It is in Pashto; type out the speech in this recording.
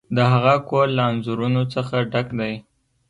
د هغه کور له انځورونو څخه ډک دی.